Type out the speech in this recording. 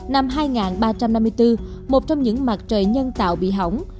năm hai nghìn ba trăm năm mươi bốn một trong những mặt trời nhân tạo bị hỏng